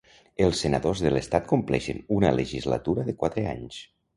Els senadors de l'estat compleixen una legislatura de quatre anys.